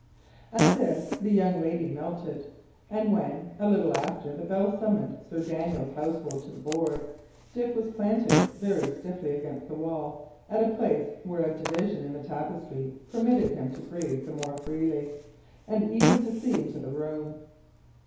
At this the young lady melted; and when, a little after, the bell summoned Sir Daniel's household to the board, Dick was planted very stiffly against the wall, at a place where a division in the tapestry permitted him to breathe the more freely, and even to see into the room.